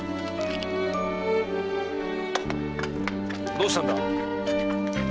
どうしたんだ？